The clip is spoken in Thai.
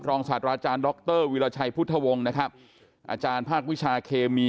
รองศาสตร์รดรวิราชัยพุทธวงศ์อาจารย์ภาควิชาเคมี